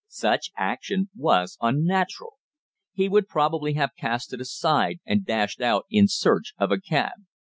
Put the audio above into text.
Such action was unnatural. He would probably have cast it aside and dashed out in search of a cab.